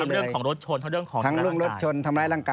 ทั้งเรื่องของรถชนทั้งเรื่องของทำร้ายร่างกาย